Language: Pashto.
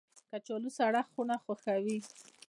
کچالو سړه خونه خوښوي